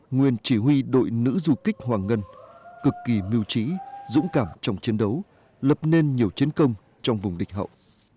nguyên chỉ huy đội nữ du kích hoàng ngân cực kỳ miêu trí dũng cảm trong chiến đấu lập nên nhiều chiến công trong vùng địch hậu